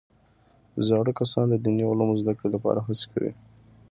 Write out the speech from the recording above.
زاړه کسان د دیني علومو زده کړې لپاره هڅې کوي